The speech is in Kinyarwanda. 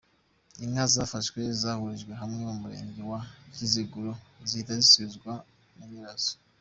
Inka zafashwe zahurijwe hamwe mu murenge wa Kiziguro zihita zisubizwa ba nyirazo.